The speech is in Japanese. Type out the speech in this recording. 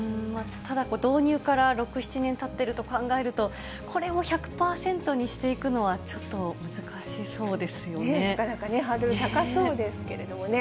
ただ導入から６、７年たってると考えると、これを１００％にしていくのは、なかなかハードル高そうですけれどもね。